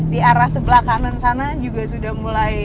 di arah sebelah kanan sana juga sudah mulai